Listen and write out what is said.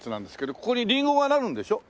ここにリンゴがなるんでしょ？